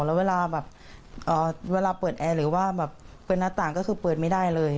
แล้วเวลาแบบเวลาเปิดแอร์หรือว่าแบบเป็นหน้าต่างก็คือเปิดไม่ได้เลย